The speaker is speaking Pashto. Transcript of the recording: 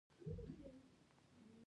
په افغانستان کې د ښارونه تاریخ اوږد دی.